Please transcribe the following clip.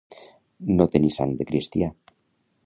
No tenir sang de cristià